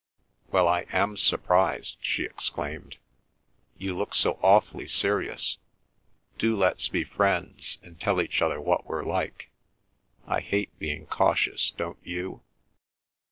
"Well, I am surprised!" she exclaimed. "You look so awfully serious. Do let's be friends and tell each other what we're like. I hate being cautious, don't you?"